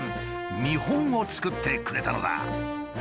見本を作ってくれたのだ。